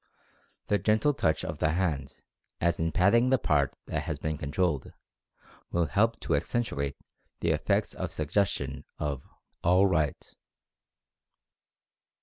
The gentle touch of the hand, as in "patting" the part that has been controlled, will help to accentuate the effect of the suggestion of "all right."